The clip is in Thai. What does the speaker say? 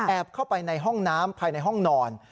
เข้าไปในห้องน้ำภายในห้องนอน